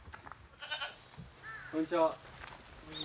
こんにちは。